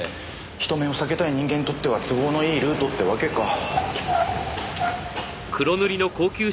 人目を避けたい人間にとっては都合のいいルートってわけか。